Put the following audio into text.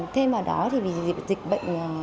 thêm vào đó thì vì dịch bệnh